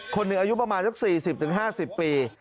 คนหนึ่งอายุประมาณสัก๔๐๕๐ปี